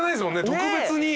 特別に。